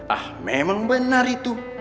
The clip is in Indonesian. ah memang benar itu